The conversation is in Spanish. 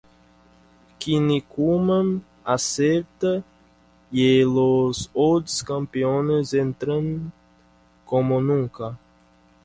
Kinnikuman acepta y los ods campeones entrenan como nunca.